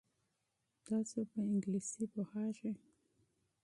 تاسو په انګریزي پوهیږئ؟